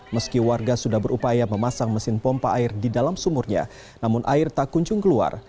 meski warga sudah berupaya memasang mesin pompa air di dalam sumurnya namun air tak kunjung keluar